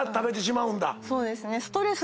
そうですね。